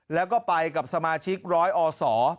แล้วก็ไปกับสมาชิกร้อยอศ